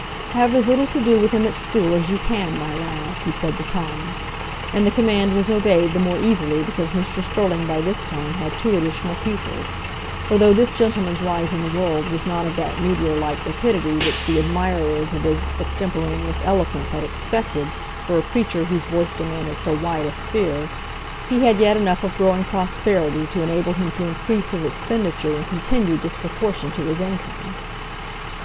"Have as little to do with him at school as you can, my lad," he said to Tom; and the command was obeyed the more easily because Mr Sterling by this time had two additional pupils; for though this gentleman's rise in the world was not of that meteor like rapidity which the admirers of his extemporaneous eloquence had expected for a preacher whose voice demanded so wide a sphere, he had yet enough of growing prosperity to enable him to increase his expenditure in continued disproportion to his income.